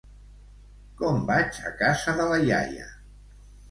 Com vaig a casa de la iaia?